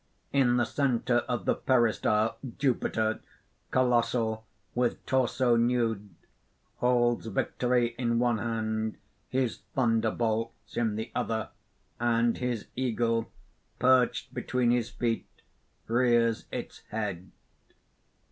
_ _In the centre of the peristyle Jupiter, colossal, with torso nude, holds Victory in one hand, his thunderbolts in the other; and his eagle, perched between his feet, rears its head.